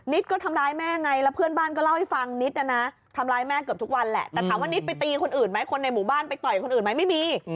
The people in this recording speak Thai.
ก็ทำร้ายแม่ไงแล้วเพื่อนบ้านก็เล่าให้ฟังนิดนะนะทำร้ายแม่เกือบทุกวันแหละแต่ถามว่านิดไปตีคนอื่นไหมคนในหมู่บ้านไปต่อยคนอื่นไหมไม่มี